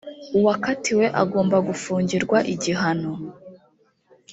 uwakatiwe agomba gufungirwa igihano